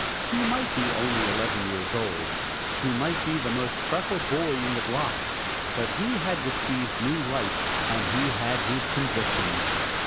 He might be only eleven years old, he might be the most freckled boy in the block, but he had received new light, and he had his convictions.